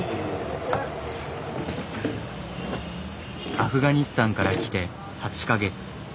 アフガニスタンから来て８か月。